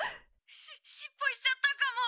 し失敗しちゃったかも！